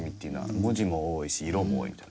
文字も多いし色も多いみたいな。